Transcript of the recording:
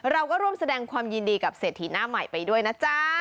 เราก็ร่วมแสดงความยินดีกับเศรษฐีหน้าใหม่ไปด้วยนะจ๊ะ